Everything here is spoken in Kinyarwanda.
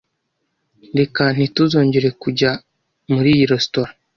Reka ntituzongere kujya muri iyo resitora